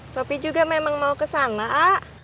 sopi juga memang mau kesana a